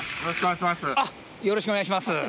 よろしくお願いします。